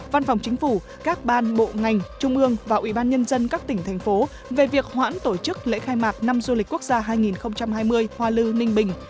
văn phòng chính phủ các ban bộ ngành trung ương và ủy ban nhân dân các tỉnh thành phố về việc hoãn tổ chức lễ khai mạc năm du lịch quốc gia hai nghìn hai mươi hoa lư ninh bình